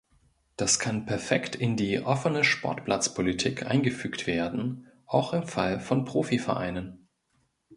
Das kann perfekt in die "Offene-Sportplatz-Politik" eingefügt werden, auch im Fall von Profivereinen.